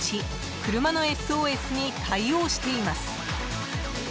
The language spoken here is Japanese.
車のＳＯＳに対応しています。